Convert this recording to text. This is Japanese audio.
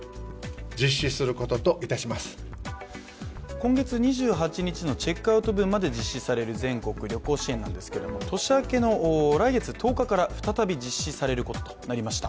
今月２８日のチェックアウト分まで実施される全国旅行支援なんですけども年明けの来月１０日から再び実施されることとなりました。